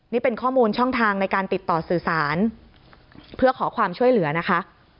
นี่เป็นข้อมูลช่องทางในการติดต่อสื่อสารเพื่อขอความช่วยเหลือนะคะ